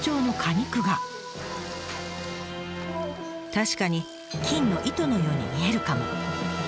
確かに金の糸のように見えるかも。